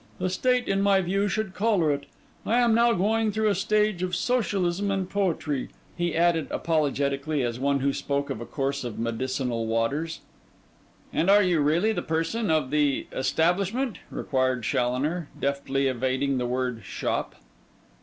The State, in my view, should collar it. I am now going through a stage of socialism and poetry,' he added apologetically, as one who spoke of a course of medicinal waters. 'And are you really the person of the—establishment?' inquired Challoner, deftly evading the word 'shop.